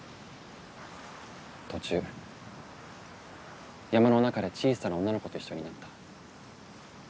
途中山の中で小さな女の子と一緒になった。